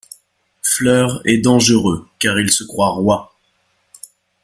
Fleur est dangereux car il se croit roi.